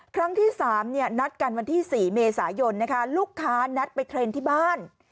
ครั้งที่๓นัดกันวันที่๔เมษายนนะคะลูกค้านัดไปเทรนด์ที่บ้าน